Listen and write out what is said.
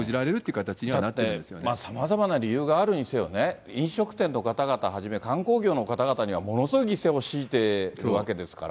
形にはなだって、さまざまな理由があるにせよね、飲食店の方々はじめ、観光業の方々には、ものすごい犠牲を強いてるわけですから。